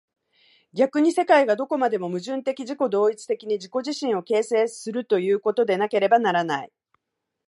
逆に世界がどこまでも矛盾的自己同一的に自己自身を形成するということでなければならない。